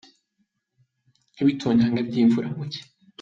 Nk’ ibitonyanga by’ imvura mu cyi.